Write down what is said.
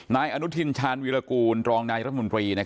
นายอนุทินชาญวิรากูลรองนายรัฐมนตรี